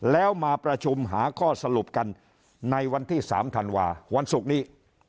แล้วมาประชุมหาข้อสรุปกันในวันที่๓ธันวาวันศุกร์นี้